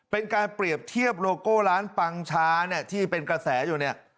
เป็นการเปรียบเทียบโลโก้ร้านปังชาเนี่ยที่เป็นกระแสอยู่เนี่ย